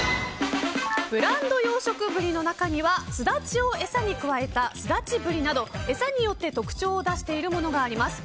ブランド養殖ブリの中にはスダチを餌に加えたスダチブリなど餌によって特徴を出しているものがあります。